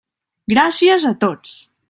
Gràcies a tots.